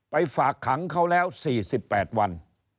ฝากขังเขาแล้ว๔๘วัน